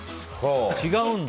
違うんだ？